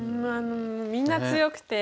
みんな強くて。